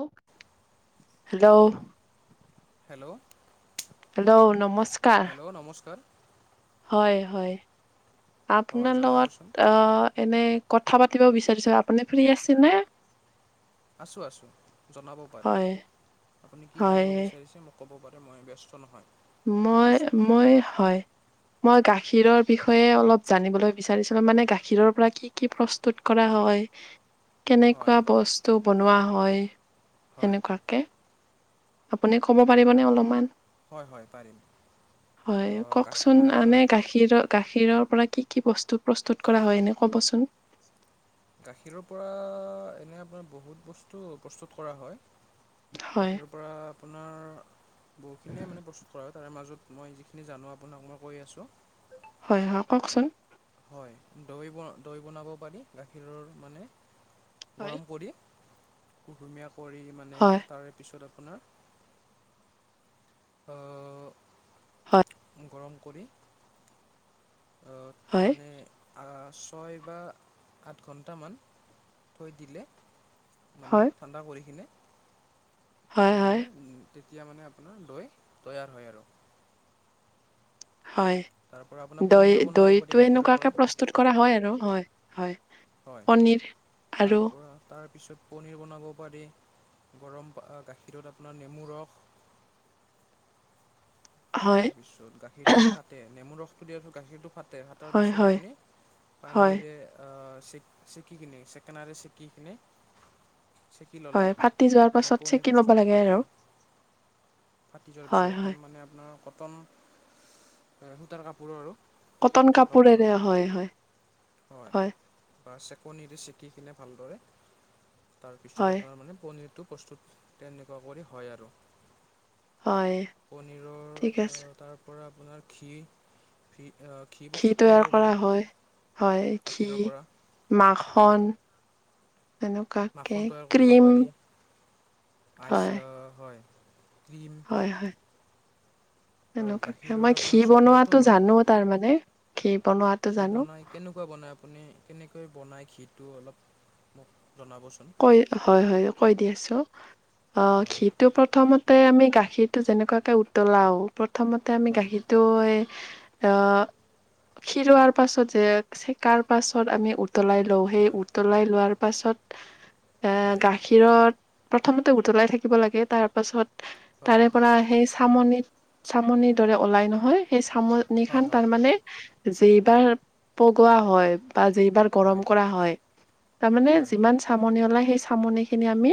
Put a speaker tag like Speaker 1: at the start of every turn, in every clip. Speaker 1: অ' hello.
Speaker 2: Hello
Speaker 1: hello নমস্কাৰ।
Speaker 2: Hello নমস্কাৰ
Speaker 1: হয় হয়,
Speaker 2: হয়
Speaker 1: আপোনাৰ লগত
Speaker 2: জনাবচোন
Speaker 1: আহ এনে কথা পাতিব বিচাৰিছো আপুনি ফ্ৰী আছে নে?
Speaker 2: আছোঁ আছোঁ জনাবও পাৰে,
Speaker 1: হয়
Speaker 2: আপুনি কি
Speaker 1: হয়
Speaker 2: জানিব বিচাৰিছে? ক'ব পাৰে, মই ব্যস্ত নহয়।
Speaker 1: মই
Speaker 2: আছোঁ
Speaker 1: মই হয়। মই গাখীৰৰ বিষয়ে অলপ জানিবলৈ বিচাৰিছিলো, মানে গাখীৰৰ পৰা কি কি প্ৰস্তুত কৰা? হয়।
Speaker 2: হয়
Speaker 1: কেনেকুৱা বস্তু বনোৱা হয়,
Speaker 2: হয়
Speaker 1: সেনেকুৱাকে? আপুনি ক'ব পাৰিবনে অলপমান?
Speaker 2: হয় হয় পাৰিম
Speaker 1: হয়
Speaker 2: আহ, গা
Speaker 1: কওকচোন
Speaker 2: মানে আহ,
Speaker 1: আনে গাখীৰৰ গাখীৰৰ পৰা কি কি বস্তু প্ৰস্তুত কৰা হয় এনে ক'বচোন।
Speaker 2: গাখীৰৰ পৰা এনে আপোনাৰ বহুত বস্তু প্ৰস্তুত কৰা হয়।
Speaker 1: হয়
Speaker 2: গাখীৰৰ পৰা
Speaker 1: [unintelligible]
Speaker 2: বহুতখিনিয়ে মানে প্ৰস্তুত কৰা হয় তাৰ মাজত মই যিখিনি জানো আাক মই কৈ আছো।
Speaker 1: হয় হয় কওকচোন।
Speaker 2: হয় দৈ বনাব পাৰি গাখীৰৰ মানে
Speaker 1: হয়
Speaker 2: গৰম কৰি কুহুমীয়া কৰি মানে
Speaker 1: হয়,
Speaker 2: তাৰে পিছত আপোনাৰ অ
Speaker 1: হয়।
Speaker 2: গৰম কৰি
Speaker 1: হয়।
Speaker 2: মানে ছয় বা আঠ ঘণ্টামান থৈ দিলে মানে
Speaker 1: হয়,
Speaker 2: ঠাণ্ডা কৰি কিনে
Speaker 1: হয় হয়।
Speaker 2: মানে উম, তেতিয়া মানে আপোনাৰ দৈ তৈয়াৰ হয় আৰু।
Speaker 1: হয়
Speaker 2: তাৰপৰা আপোনাৰ
Speaker 1: দৈ
Speaker 2: পনীৰো বনাব পাৰি
Speaker 1: দৈটো
Speaker 2: গাখীৰৰ পৰা
Speaker 1: এনেকুৱাকৈ প্ৰস্তুত কৰা হয় আৰু হয় হয়।
Speaker 2: হয়
Speaker 1: পনীৰ
Speaker 2: তাৰ
Speaker 1: আৰু
Speaker 2: পৰা তাৰ পিছত পনিৰ বনাব পাৰি। গৰম গাখীৰত আপোনাৰ নেমু ৰস
Speaker 1: হয়,
Speaker 2: তাৰ পিছত গাখীৰতটো ফাটে নেমু ৰসটো দিয়া গাখীৰটো ফাটে। ফটাৰ
Speaker 1: হয়,
Speaker 2: পিছত
Speaker 1: হয়,
Speaker 2: আপুনি
Speaker 1: হয়,
Speaker 2: পানীৰে চেকিকিনে চেকেনাৰে চেকিকিনে।
Speaker 1: হয় ফাটি যোৱাৰ পাছত চেকি লব
Speaker 2: প্ৰস্তুত
Speaker 1: লাগে
Speaker 2: হয়
Speaker 1: আৰু।
Speaker 2: ফাটি যোৱাৰ পিছত
Speaker 1: হয়, হয়।
Speaker 2: এখন মানে আপোনাৰ কটন এ সূতাৰ কাপোৰো আৰু।
Speaker 1: কটন
Speaker 2: সূতাৰ কাপোৰত
Speaker 1: কাপোৰেৰে হয় হয়।
Speaker 2: হয় চেকনিৰে চেকি কিনে ভালদৰে। তাৰপিছত
Speaker 1: হয়,
Speaker 2: আপোনাৰ মানে পনীৰটো প্ৰস্তুত তেনেকুৱা কৰি হয় আৰু।
Speaker 1: হয়।
Speaker 2: পনীৰৰ
Speaker 1: ঠিক
Speaker 2: আহ
Speaker 1: আছে।
Speaker 2: তাৰ পৰা আপোনাৰ খিৰ।
Speaker 1: ঘি তৈয়াৰ কৰা হয় হয়
Speaker 2: গাখীৰৰ
Speaker 1: ঘি
Speaker 2: পৰা
Speaker 1: মাখন। এনেকুৱাকে
Speaker 2: মাখন তৈয়াৰ কৰিব
Speaker 1: ক্ৰীম
Speaker 2: পাৰি
Speaker 1: হয়,
Speaker 2: আইচ হয়। ক্ৰীম
Speaker 1: হয় হয়।
Speaker 2: আৰু
Speaker 1: তেনেকুৱা
Speaker 2: গাখীৰৰ
Speaker 1: মই
Speaker 2: আপোনাৰ
Speaker 1: ঘি
Speaker 2: চকলেটো
Speaker 1: বনোৱাতটো
Speaker 2: হয়
Speaker 1: জানো তাৰ মানে
Speaker 2: ঘি বনাই কেনেকুৱা বনাই আপুনি কেনেকে? তুমি বনাই ঘিটো অলপ মোক জনাবচোন
Speaker 1: কৈ হয় হয় কৈ দি আছো অ
Speaker 2: হয়
Speaker 1: ঘিটো প্ৰথমত ততে আমি গাখীৰটো যেনেকুৱাকৈ উতলাওঁ প্ৰথমতে আমি
Speaker 2: হয়
Speaker 1: গাখীৰটো আহ খিৰোৱাৰ পাছত যে চেকাৰ পাছত আমি উত উতলাই লওঁ সেই
Speaker 2: হয়
Speaker 1: উতলাই লোৱাৰ পাছত এ
Speaker 2: হয়
Speaker 1: গাখীৰত প্ৰথমতে উতলাই থাকিব লাগে। তাৰ পাছত
Speaker 2: হয়
Speaker 1: তাৰে পৰা সেই চামনিত চামনিৰ দৰে ওলাই নহয় সেই চামনি খান
Speaker 2: হয় হয়
Speaker 1: তাৰমানে জেইবাৰ পগোৱা হয় বা জেইবাৰ গৰম
Speaker 2: হয়
Speaker 1: কৰা হয় তাৰমানে
Speaker 2: হয়
Speaker 1: যিমান চামনি ওলাই সেই চামনি খিনি আমি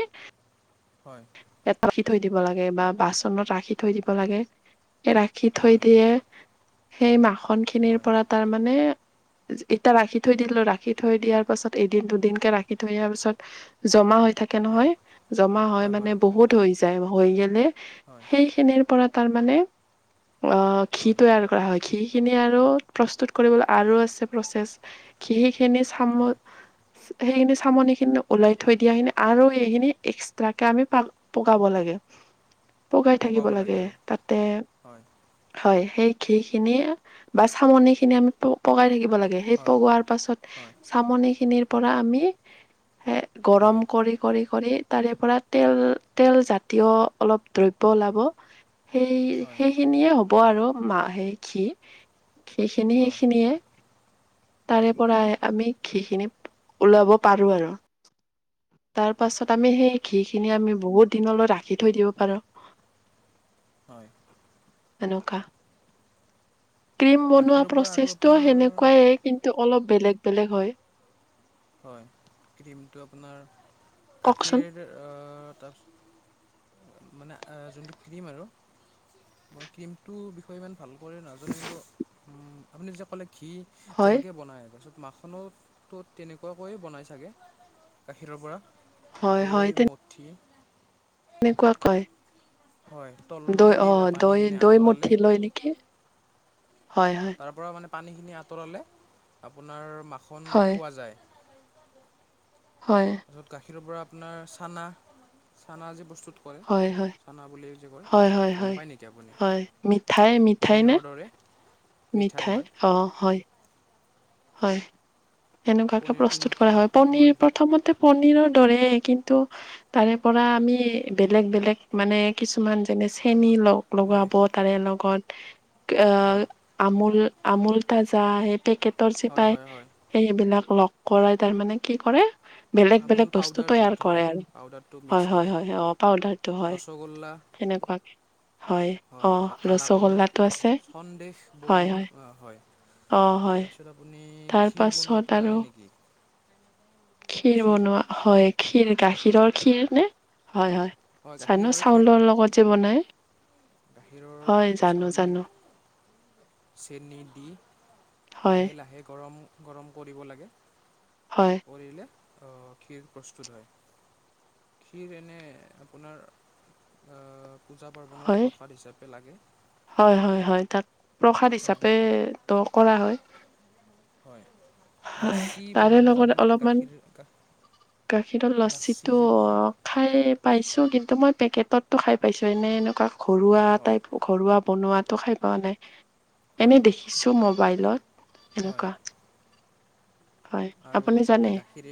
Speaker 2: হয়
Speaker 1: থৈ দিব লাগে বা বাচনত ৰাখি থৈ দিব লাগে ৰাখি থৈ
Speaker 2: হয়
Speaker 1: দিয়ে। সেই মাখন খিনিৰ
Speaker 2: হয়
Speaker 1: পৰা তাৰমানে এতিয়া ৰাখি থৈ দিলো ৰাখি থৈ দিয়াৰ পাছত এদিন দুদিনকে ৰাখি হেতুৱে ইয়াৰ পিছত জমা হৈ থাকে
Speaker 2: হয়
Speaker 1: নহয় জমা হয় মানে বহুত হৈ যায় হৈ গলে
Speaker 2: হয়
Speaker 1: সেইখিনিৰ পৰা তাৰমানে অ ঘী
Speaker 2: হয়
Speaker 1: তৈয়াৰ কৰা হয়। ঘী হেখিনী আৰু প্ৰস্তুত কৰিবলৈ আৰু আছে প্ৰচেছ। সনে চাম
Speaker 2: হয়
Speaker 1: সেইখ [unintelligible] চামনি খিনি ওলাই থৈ দিয়া খিনি আৰু এইখিনি এক্সট্ৰাকে আমি পগাব লাগে। পগাই থাকিব
Speaker 2: পকাব
Speaker 1: লাগে
Speaker 2: আৰু
Speaker 1: তাতে
Speaker 2: হয়
Speaker 1: হয়। সেই ঘী খিনি বা চামনি খিনি আমি পগাই থাকিব লাগে সেই
Speaker 2: হয়
Speaker 1: পগোৱাৰ পাছত
Speaker 2: হয়
Speaker 1: চামনি খিনিৰ পৰা আমি হে
Speaker 2: হয়
Speaker 1: গৰম কৰি কৰি কৰি তাৰে পৰা তেল তেল জাতীয় অলপ দ্ৰব্য ওলাব। হেই
Speaker 2: হয়
Speaker 1: হেইখিনিয়ে হ'ব আৰু মা সেই ঘী সিখিনি
Speaker 2: অঁ
Speaker 1: এইখিনিয়ে
Speaker 2: হয়
Speaker 1: তাৰে পৰাই আমি ঘী খিনি ওলাব পাৰোঁ আৰু তাৰপাছত আমি সেই ঘী খিনি আমি বহুত দিনলৈ ৰাখি থৈ দিব পাৰোঁ। [inaudible]
Speaker 2: হয়।
Speaker 1: এনেকুৱা। ক্ৰীম বনোৱা
Speaker 2: গাখীৰৰ পৰা আৰু
Speaker 1: প্ৰচেছটো
Speaker 2: আপোনাৰ
Speaker 1: সেনেকুৱাইে কিন্তু অলপ বেলেগ বেলেগ হয়।
Speaker 2: হয়, ক্ৰীমটো আপোনাৰ
Speaker 1: কওকচোন
Speaker 2: গাখীৰ আহ তাৰপিছত মানে যোনটো ক্ৰীম আৰু মই ক্ৰীমটোৰ বিষয়ে ইমান ভালকৈ নাজানোঁ। কিন্তু, আপুনি যেতিয়া ক'লে ঘী
Speaker 1: হয়,
Speaker 2: যেনেকে বনাই তাৰপিছত মাকোটোৰ তেনেকুৱাকৈয়ে বনাই চাগে গাখীৰৰ পৰা। দৈ মঠি
Speaker 1: এনেকুৱা
Speaker 2: হয় তল
Speaker 1: কৈয়। দৈ
Speaker 2: তলিৰ
Speaker 1: অ' দৈ
Speaker 2: পানীখিনি
Speaker 1: দৈ
Speaker 2: আঁতৰালে
Speaker 1: মঠি লৈয় নেকি হয়, হয়।
Speaker 2: তাৰপৰা মানে পানীখিনি আঁতৰালে আপোনাৰ মাখন
Speaker 1: হয়,
Speaker 2: পোৱা যায়।
Speaker 1: হয়।
Speaker 2: তাৰপিছত গাখীৰৰ পৰা আপোনাৰ চানা চানা যি বস্তুটো
Speaker 1: হয়, হয়।
Speaker 2: খানা বুলিও যে কয়
Speaker 1: হয়, হয়,
Speaker 2: গ'ম
Speaker 1: হয়।
Speaker 2: পায় নেকি আপুনি
Speaker 1: হয়, মিঠাই মিঠাই নে
Speaker 2: পনীৰৰ দৰে?
Speaker 1: মিঠাই অ' হয়। হয়, এনেকুৱাকে
Speaker 2: পনীৰ কিন
Speaker 1: প্ৰস্তুত কৰা হয়। পনীৰৰ প্ৰথমতে পনীৰৰ দৰে কিন্তু, তাৰে পৰা আমি বেলেগ বেলেগ মানে কিছুমান যে চেনী লগ
Speaker 2: হয়
Speaker 1: লগাব তাৰে লগত আহ
Speaker 2: হয়
Speaker 1: আমুল আমুল তাজা সেই পেকেট। তৰ
Speaker 2: হয়
Speaker 1: চিপাই
Speaker 2: হয় হয়
Speaker 1: সেইবিলাক লগ কৰাই তাৰমানে কি কৰে বেলেগ
Speaker 2: আমুল
Speaker 1: বেলেগ বস্তু
Speaker 2: পাউদাৰ যোনটো
Speaker 1: তৈয়াৰ
Speaker 2: থাকে
Speaker 1: কৰে আৰু
Speaker 2: পাউদাৰটো মিক্স
Speaker 1: হয় হয়
Speaker 2: কৰে
Speaker 1: হয় অ পাউডাৰটো হয়,
Speaker 2: ৰসগোল্লা
Speaker 1: সেনেকুৱাকে হয়, অ
Speaker 2: হয় বা কালাকণ
Speaker 1: ৰসগোল্লাটো আছে
Speaker 2: সন্দহ
Speaker 1: হয়
Speaker 2: বনোৱা
Speaker 1: হয়
Speaker 2: হয়।
Speaker 1: অ হয়
Speaker 2: তাৰপিছত আপুনি
Speaker 1: তাৰ
Speaker 2: ক্ষীৰ বনোৱাটো
Speaker 1: পাছত
Speaker 2: জানে
Speaker 1: আৰু
Speaker 2: নেকি
Speaker 1: ক্ষীৰ বনোৱা হয় ক্ষীৰ গাখীৰৰ ক্ষীৰ নে? হয় হয় চানো ন
Speaker 2: গাখীৰৰে ক্ষীৰ
Speaker 1: চাউলৰ লগত যে বনায়।
Speaker 2: গাখীৰৰ চাউল
Speaker 1: জানো
Speaker 2: চেনী দি
Speaker 1: হয়
Speaker 2: লাহে লাহে গৰম গৰম কৰিব লাগে
Speaker 1: হয়
Speaker 2: কৰিলে ক্ষীৰ প্ৰস্তুত হয়। ক্ষীৰ এনে আপোনাৰ অহ পূজা পাৰ্বণত
Speaker 1: হয়
Speaker 2: প্ৰসাদ হিচাপে লাগে
Speaker 1: হয় হয় হয় তাত প্ৰসাদ
Speaker 2: হয়
Speaker 1: হিচাপে কৰা হয়
Speaker 2: হয়
Speaker 1: হয়
Speaker 2: লাচচি
Speaker 1: তাৰে
Speaker 2: বনাব
Speaker 1: লগত
Speaker 2: জানেনে
Speaker 1: অলপমান
Speaker 2: গাখীৰ
Speaker 1: গাখীৰৰ লচ্ছিত
Speaker 2: লাচি
Speaker 1: টো
Speaker 2: যে বনায়
Speaker 1: খাই পাইছো কিন্তু ত মই পেকেটতটো খাই পাইছো এনে এনেকুৱা ঘৰুৱা
Speaker 2: হয়
Speaker 1: টাইপ ঘৰুৱা বনোৱাত টো খাই পোৱা নাই এনে
Speaker 2: হয়
Speaker 1: দেখিছোঁ মোবাইলত
Speaker 2: হয়
Speaker 1: এনেকুৱা, হয়
Speaker 2: আৰু
Speaker 1: আপুনি
Speaker 2: কিবা
Speaker 1: জানে
Speaker 2: গাখীৰ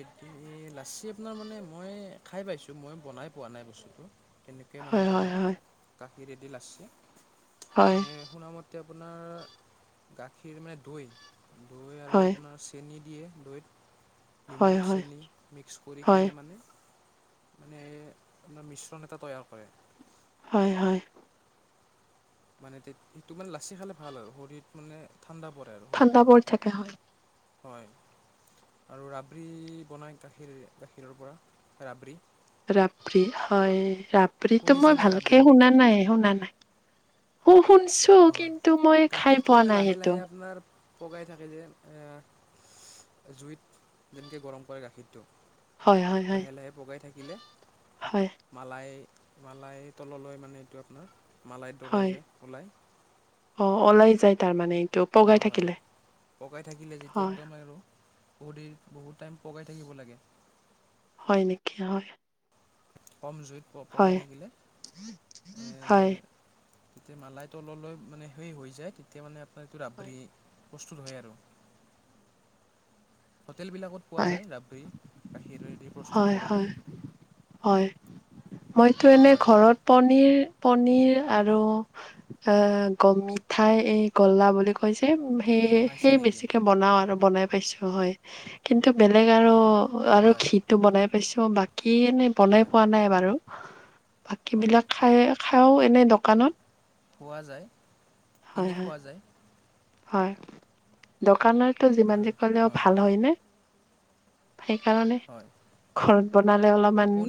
Speaker 2: লাচি আপোনাৰ মানে মই খাই পাইছোঁ মই বনাই পোৱা নাই বস্তুটো কেনেকৈ মানে
Speaker 1: হয় হয়
Speaker 2: বনাই কা [unintelligible]
Speaker 1: হয়
Speaker 2: আপোনাৰ গাখীৰ মানে দৈ দৈ আৰু
Speaker 1: হয়
Speaker 2: আপোনাৰ চেনি দিয়ে দৈত
Speaker 1: হয় হয়
Speaker 2: নিমখ
Speaker 1: হয়
Speaker 2: চেনি মিক্স কৰি
Speaker 1: হয়
Speaker 2: কিনে মানে মানে এটা মিশ্ৰণ এটা তৈয়াৰ কৰে,
Speaker 1: হয় হয়।
Speaker 2: মানে সেইটো মানে লাচি খালে ভাল আৰু শৰীৰত মানে ঠাণ্ডা পৰে আৰু
Speaker 1: ঠাণ্ডা
Speaker 2: শৰীৰটো
Speaker 1: বৰ থকা হয়।
Speaker 2: হয় আৰু ৰাবৰী বনায় গাখীৰ গাখীৰৰ পৰা ৰাবৰী।
Speaker 1: ৰাবৰী হয় ৰাব্ৰিটো মই
Speaker 2: শুনিছেনে ৰাবৰি
Speaker 1: ভালকে
Speaker 2: বন
Speaker 1: শুনা নাই শুনা নাই। শু শুনছো
Speaker 2: হয়
Speaker 1: কিন্তু মই খাই
Speaker 2: গাখীৰটো
Speaker 1: পোৱা
Speaker 2: মানে
Speaker 1: নাই
Speaker 2: লাহে
Speaker 1: সেইটো।
Speaker 2: লাহে আপোনাৰ পগাই থাকে যে জুইত যেনেকৈ গৰম কৰে গাখীৰটো।
Speaker 1: হয় হয় হয়
Speaker 2: লাহে লাহে পগাই থাকিলে
Speaker 1: হয়
Speaker 2: মালাই মালাই তললৈ মানে এইটো আপোনাৰ মালাইৰ দৰে
Speaker 1: হয়
Speaker 2: যে ওলাই।
Speaker 1: অ ওলাই যায় তাৰমানানে।
Speaker 2: হয় হয় পগাই থাকিলে যেতিয়া
Speaker 1: হয়
Speaker 2: একদম আৰু- বহুত দিন বহুত টাইম পকাই থাকিব লাগে।
Speaker 1: হয় নেকি হয়।
Speaker 2: কম জুইত প পগাকাই
Speaker 1: হয়
Speaker 2: থাকিলে।
Speaker 1: হয়
Speaker 2: তেতিয়া মালাই তললৈ মানে সেই হৈ যায় তেতিয়া মানে আপোনাৰ এইটো
Speaker 1: হয়
Speaker 2: ৰাবৰী। প্ৰস্তুত হয় আৰু। হোটেলবিলাকত পোৱা যায় ৰাবৰী গাখীৰৰে।
Speaker 1: হয় হয় হয়। মইতো এনে
Speaker 2: হয়
Speaker 1: ঘৰত পনীৰ পনিৰ আৰু এ গ মিঠাই এই গল্লা বুলি কৈছে। সেই
Speaker 2: বনাইছে
Speaker 1: সেই
Speaker 2: নেকি
Speaker 1: বেছিকে বনাও আৰু বনাই পাইছো হয় কিন্তু এইটো বেলেগ আৰু আৰু
Speaker 2: হয়
Speaker 1: খীৰটো বনাই পাইছো বাকী এনে বনাই
Speaker 2: হয়
Speaker 1: পোৱা নাই বাৰু। বাকী
Speaker 2: হয়
Speaker 1: বিলাক খাই খাইও এনে দোকানত।
Speaker 2: খোৱা যায়
Speaker 1: হয়
Speaker 2: কিনি
Speaker 1: হয়
Speaker 2: খোৱা যায়।
Speaker 1: হয় দোকানৰতটো যিমান যে কলেও ভাল হয় নে? সেইকাৰণে
Speaker 2: হয়
Speaker 1: ঘৰত বনালে অলপমান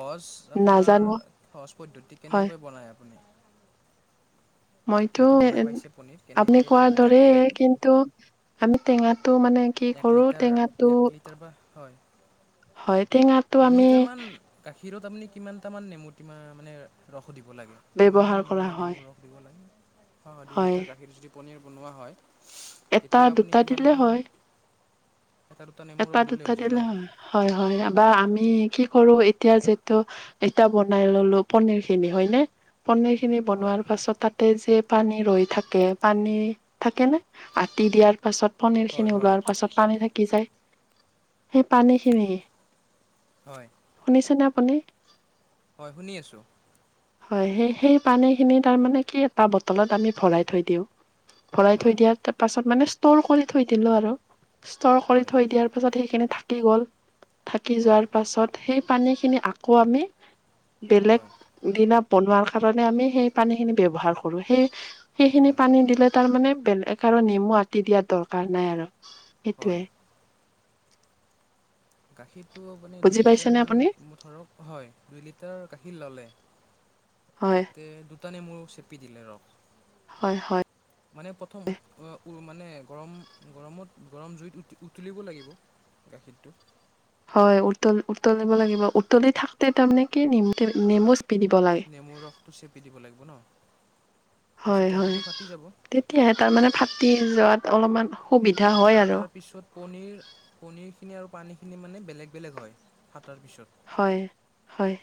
Speaker 2: সজ আপোনাৰ
Speaker 1: নাজানো
Speaker 2: সহজ পদ্ধতি
Speaker 1: হয়
Speaker 2: কেনেকৈ বনায় আপুনি?
Speaker 1: মইতো
Speaker 2: আপুনিতো বনাই পাইছে পনীৰ
Speaker 1: আপুনি
Speaker 2: কেনেকৈ
Speaker 1: কোৱাৰ
Speaker 2: বনায়
Speaker 1: দৰে
Speaker 2: গাখীৰেদি
Speaker 1: কিন্তু আমি টেঙা
Speaker 2: এক লিটাৰ এক লিটাৰ বা হয়।
Speaker 1: হয় টেঙাটো আমি
Speaker 2: খিৰত আপুনি কিমানটামান নেমুটি মানে সুধিব লাগে কিমানমান
Speaker 1: ব্যৱহাৰ কৰা
Speaker 2: মানে
Speaker 1: হয়
Speaker 2: নেমুৰ ৰস দিব লাগে হয় দুই লিটাৰ গাখীৰ যদি পনীৰ বনোৱা হয়।
Speaker 1: এটা
Speaker 2: তেতিয়া আপুনি
Speaker 1: দুটা দিলে
Speaker 2: কিমানমান
Speaker 1: হয়।
Speaker 2: এটা দুটা নেমু ৰস
Speaker 1: এপাত দুটা
Speaker 2: হৈ যায় ন
Speaker 1: দিলে হয় হয় হয় বা আমি কি কৰো এতিয়া যিহেতু এতিয়া বনাই ললো পনিৰ খিনি হয় নে? পনীৰখিনি
Speaker 2: হয়
Speaker 1: বনোৱাৰ পাছত তাতে যে পানী ৰৈ থাকে, পানী থাকে নে? আাটি দিয়াৰ পাছত পনিৰ
Speaker 2: হয়
Speaker 1: খিনি
Speaker 2: হয়
Speaker 1: ওলোৱাৰ পাছত পানী থাকি যায়। সেই পানীখিনি
Speaker 2: হয়
Speaker 1: শুনিছেনে আপুনি?
Speaker 2: হয় শুনি আছোঁ।
Speaker 1: হয় স সেই পানীখিনি তাৰে কি এটা বটলত আমি ভৰাই থৈ দিওঁ। ভৰাই থৈ
Speaker 2: হয়
Speaker 1: দিয়া তাৰ পাছত মানে ষ্টৰ কৰি থৈ দিলো আৰু। ষ্টৰ কৰি
Speaker 2: হয়
Speaker 1: থৈ দিয়াৰ পাছত সেইখিনি থাকি গ'ল থাকি
Speaker 2: হয়
Speaker 1: যোৱাৰ পাছত সেই- পানী খিনি আকৌ আমি বেলেগ
Speaker 2: হয়
Speaker 1: দিনা বনোৱাৰ কাৰণে আমি সেই পানীখিনি ব্যৱহাৰ কৰো সেই সেইখিনি
Speaker 2: হয়
Speaker 1: পানী দিলে তাৰমানানে বেলেগ কাৰণ নেমু আঁকি দিয়াৰ দৰকাৰ নাই আৰু
Speaker 2: হয়
Speaker 1: সেইটোয়ে।
Speaker 2: গাখীৰ। টো মানে দুই
Speaker 1: বুজি
Speaker 2: লিটাৰ
Speaker 1: পাইছেনে আপুনি
Speaker 2: ধৰক হয় দুই লিটাৰ গাখীৰ ল'লে।
Speaker 1: হয়
Speaker 2: তাতে দুটানে মোৰ চেপি দিলে ৰস
Speaker 1: হয় হয়।
Speaker 2: মানে প্ৰথম মানে গৰম গৰমত গৰম জুইত উতুলিব লাগিব। গাখীৰটো
Speaker 1: হয় উতল উতলিব লাগিব উতলি থাকোতে তাৰামানে কি নেমু দিব লাগে
Speaker 2: নেমুৰ ৰসটো চেপি দিব লাগিব ন? তাৰপিছত
Speaker 1: হয় হয়
Speaker 2: গাখীৰটো ফাটি যাব
Speaker 1: তেতিয়াহে তাৰ মানে ফাটি যোৱাত অলপমান সুবিধা হয় আৰু
Speaker 2: ফাতাৰ পিছত পনিৰ পনিৰ খিনি আৰু পানী খিনি মানে বেলেগ বেলেগ হয় তাৰপিছত
Speaker 1: হয় হয়।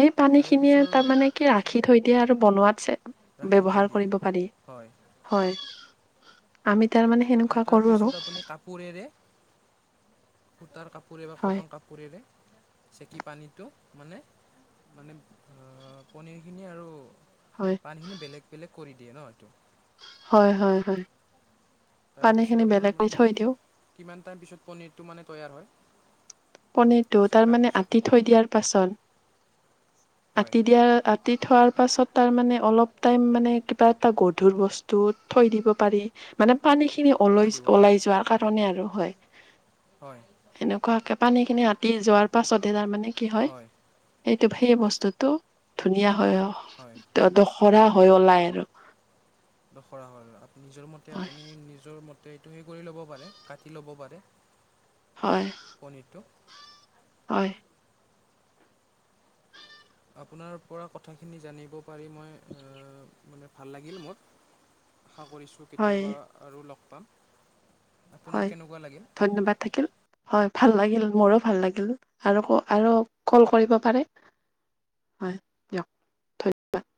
Speaker 1: সেই পানী
Speaker 2: তাৰে
Speaker 1: খিনিয়ে
Speaker 2: পিছৰ
Speaker 1: তাৰমানানে কি ৰাখি থৈ দিয়ে আৰু বনোৱাতছে
Speaker 2: ৰাখি থৈ
Speaker 1: ব্যৱহাৰ
Speaker 2: দিয়ে
Speaker 1: কৰিব পাৰি
Speaker 2: হয়
Speaker 1: হয় আমি তাৰ মানে সেনেকোৱা
Speaker 2: ফাটাৰ
Speaker 1: কৰো
Speaker 2: পিছত
Speaker 1: আৰু
Speaker 2: আপুনি কাপোৰেৰে সূতাৰ কাপোৰে বা
Speaker 1: হয়
Speaker 2: কটন কাপোৰেৰে চেকি পানীটো মানে মানে অ পনীৰখিনি আৰু
Speaker 1: হয়
Speaker 2: পানীখিনি বেলেগ বেলেগ কৰি দিয়ে ন ইটো
Speaker 1: হয় হয় হয় পানী খিনি
Speaker 2: তাৰপিছত আপোনাৰ
Speaker 1: বেলেগ কৰি
Speaker 2: মানে
Speaker 1: থৈ দিওঁ
Speaker 2: কিমান টাইম পিছত পনিৰটো মানে তৈয়াৰ হয়?
Speaker 1: পনিৰটোত তাৰ
Speaker 2: চেকাৰ
Speaker 1: মানে
Speaker 2: পিছত
Speaker 1: আতি থৈ দিয়াৰ পাছত আতি দিয়া হয় আতিত থোৱাৰ পাছত তাৰমানে অলপ টাইম মানে কিবা এটা গধুৰ বস্তু থৈ দিব পাৰি মানে পানী খিনি ওল
Speaker 2: থৈ দিব
Speaker 1: ওলাই
Speaker 2: লাগে
Speaker 1: যোৱাৰ কাৰণে আৰু হয়
Speaker 2: হয়
Speaker 1: এনেকুৱাকে পানী খিনি আতি যোৱাৰ পাছতে তাৰমানে কি হয় সেটো সেই বস্তুতটো ধুনীয়া হয় হয় অ দখৰা হৈ ওলাই আৰ।
Speaker 2: দখৰা হয় নিজৰ মতে আপুনি নিজৰ মতে ত এইটো এ কৰি ল'ব পাৰে কাটি ল'ব পাৰে
Speaker 1: হয়
Speaker 2: পনিৰটো
Speaker 1: হয়।
Speaker 2: আপোনাৰ পৰা কথাখিনি জানিব পাৰি মই মানে ভাল লাগিল মোৰ
Speaker 1: উ
Speaker 2: আশা কৰিছোঁ কেতিয়াবা আৰু লগ পাম আপোনাৰ
Speaker 1: হয়
Speaker 2: কেনেকুৱা লাগিল
Speaker 1: ধন্যবাদ থাকিল। হয় ভাল লাগিল মোৰো ভাল লাগিল আৰু আৰু কল কৰিব পাৰে হয় দিয়ক ধন্যবাদ